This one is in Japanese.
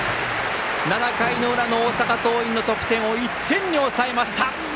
７回裏、大阪桐蔭の得点を１点に抑えました。